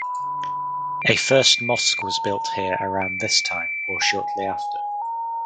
A first mosque was built here around this time or shortly after.